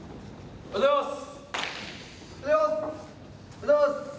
おはようございます！